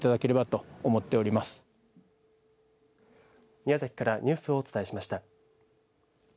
宮崎からニュースをお伝えしました。